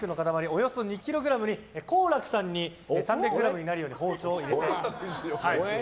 およそ２ｋｇに好楽さんに３００ｇになるように包丁を入れていただきます。